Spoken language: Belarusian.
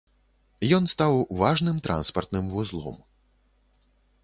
Ён стаў важным транспартным вузлом.